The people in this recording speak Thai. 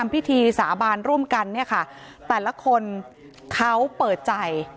พิธีสาบานร่วมกันเนี่ยค่ะแต่ละคนเขาเปิดใจ